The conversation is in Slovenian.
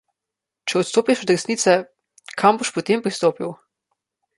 Če odstopiš od resnice, kam boš potem pristopil.